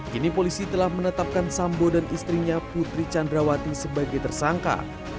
kini polisi telah menetapkan sambo dan istrinya putri candrawati sebagai tersangka